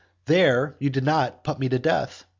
There you did not put me to death.